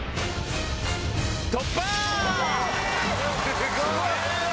すごい！